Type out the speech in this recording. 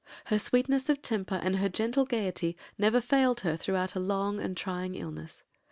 Her sweetness of temper and her gentle gaiety never failed her throughout a long and trying illness.